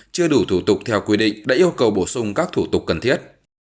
chưa đủ thủ tục theo quy định đã yêu cầu bổ sung các thủ tục cần thiết